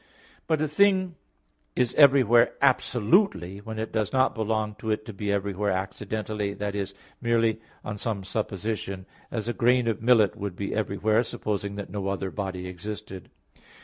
But a thing is everywhere absolutely when it does not belong to it to be everywhere accidentally, that is, merely on some supposition; as a grain of millet would be everywhere, supposing that no other body existed.